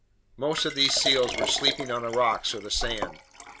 Most of these seals were sleeping on the rocks or the sand.